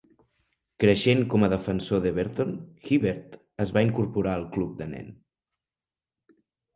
Creixent com a defensor d'Everton, Hibbert es va incorporar al club de nen.